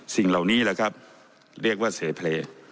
สิ่งเหล่านี้แหละครับเรียกว่าเสเพลย์